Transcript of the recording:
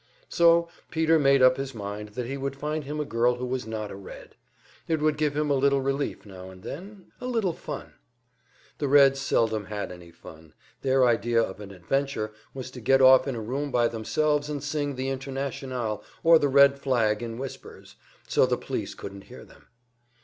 So Peter made up his mind that he would find him a girl who was not a Red. It would give him a little relief now and then, a little fun. The Reds seldom had any fun their idea of an adventure was to get off in a room by themselves and sing the International or the Red Flag in whispers, so the police couldn't hear them.